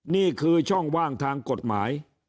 นี่คือช่องว่างทางกฎหมาย